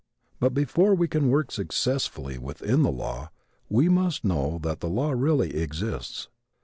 But before we can work successfully within the law we must know that the law really exists.